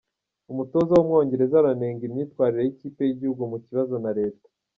Umutoza wumwongereza aranenga imyitwarire yikipe yigihugu mu kibazo na leta